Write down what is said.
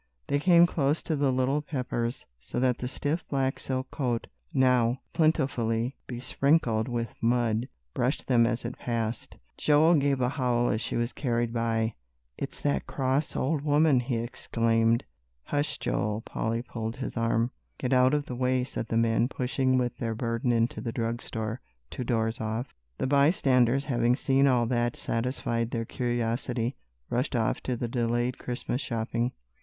They came close to the little Peppers, so that the stiff black silk coat, now plentifully besprinkled with mud, brushed them as it passed. Joel gave a howl as she was carried by. "It's that cross old woman!" he exclaimed. "Hush, Joel!" Polly pulled his arm. "Get out of the way!" said the men, pushing with their burden into the drug store, two doors off. The bystanders, having seen all that satisfied their curiosity, rushed off to the delayed Christmas shopping.